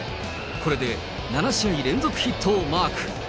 これで７試合連続ヒットをマーク。